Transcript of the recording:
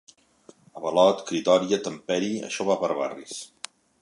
Avalot, cridòria, temperi, això va per barris.